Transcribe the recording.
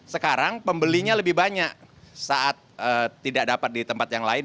sekarang pembelinya lebih banyak saat tidak dapat di tempat yang lain